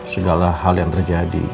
segala hal yang terjadi